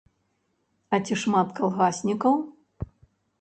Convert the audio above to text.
А ці шмат калгаснікаў?